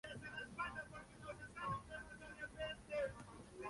Se les prometió libertad de culto a los refugiados ortodoxos.